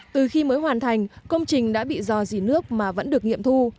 từ khi mới hoàn thành công trình đã bị dò dỉ nước mà vẫn được nghiệm thu